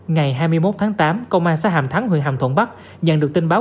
ngày hai mươi một tháng tám công an xã hàm thắng huyện hàm thuận bắc nhận được tin báo